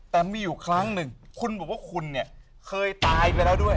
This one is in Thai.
แต่มีอยู่ครั้งหนึ่งคุณบอกว่าคุณเนี่ยเคยตายไปแล้วด้วย